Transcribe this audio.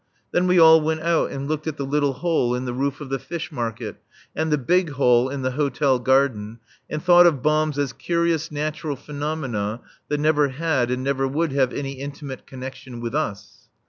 Then we all went out and looked at the little hole in the roof of the fish market, and the big hole in the hotel garden, and thought of bombs as curious natural phenomena that never had and never would have any intimate connection with us.